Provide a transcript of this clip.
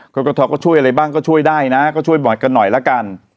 กรกฐก็ช่วยอะไรบ้างก็ช่วยได้นะก็ช่วยบอร์ดกันหน่อยละกัน